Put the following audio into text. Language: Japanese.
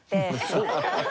そう？